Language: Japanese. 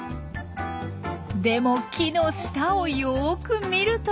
でも木の下をよく見ると。